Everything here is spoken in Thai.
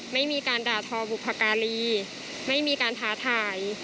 ไม่มีการด่าทอบุภาราศาสนาไม่มีการท้าธรรม